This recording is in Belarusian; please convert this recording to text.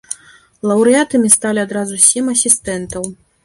Лаўрэатамі сталі адразу сем асістэнтаў.